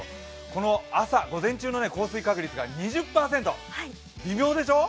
この朝、午前中の降水確率が２０％、微妙でしょう？